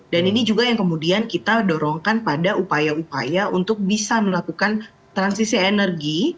dan ini juga yang kemudian kita dorongkan pada upaya upaya untuk bisa melakukan transisi energi